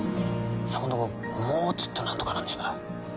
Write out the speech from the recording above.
そこんとこもうちっとなんとかなんねぇかい。